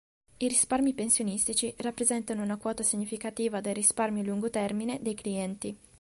I risparmi pensionistici rappresentano una quota significativa del risparmio a lungo termine dei clienti.